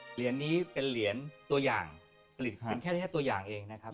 เหรียญนี้เป็นเหรียญตัวอย่างผลิตเป็นแค่ตัวอย่างเองนะครับ